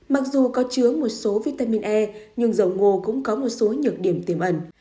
mặc dù có chứa một số vitamin e nhưng dầu ngô cũng có một số nhược điểm tiềm ẩn